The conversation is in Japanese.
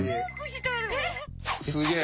すげえ。